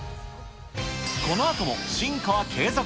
このあとも、進化は継続。